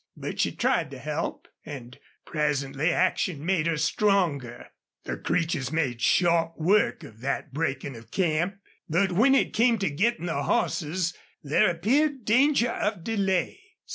But she tried to help, and presently action made her stronger. The Creeches made short work of that breaking of camp. But when it came to getting the horses there appeared danger of delay.